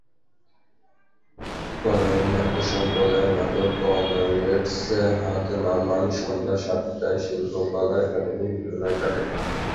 গণায়ন নাট্য সম্প্রদায়ের নাটক কমরেডস হাত নামান, সন্ধ্যা সাতটায়, শিল্পকলা একাডেমী মিলনায়তনে।